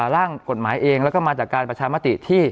ร่างกฎหมายเองแล้วก็มาจากการประชามติที่